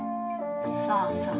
さあさあ。